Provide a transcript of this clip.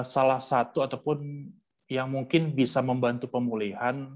salah satu ataupun yang mungkin bisa membantu pemulihan